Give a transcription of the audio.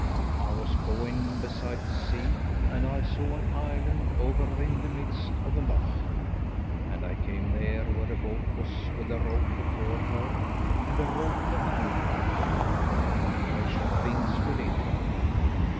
I was going beside the sea, and I saw an island over in the midst of the loch, and I came there where a boat was with a rope before her, and a rope behind her, and many precious things within her.